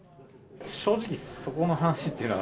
正直、そこの話というのは？